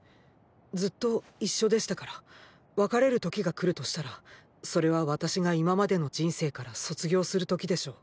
ずっと一緒でしたから別れる時が来るとしたらそれは私が今までの人生から卒業する時でしょう。